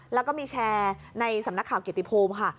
แล้วก็มีแชร์ในสำนักข่าวเกียรติภูมิค่ะ